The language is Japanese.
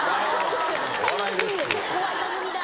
怖い番組だ。